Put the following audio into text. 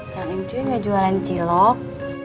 kan neng cuy gak jualan cilok